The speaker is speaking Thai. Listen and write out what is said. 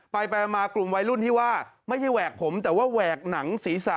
ไปไปมากลุ่มวัยรุ่นที่ว่าไม่ใช่แหวกผมแต่ว่าแหวกหนังศีรษะ